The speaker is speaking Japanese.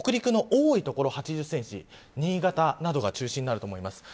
北陸の多い所８０センチ新潟などが中心になると思います。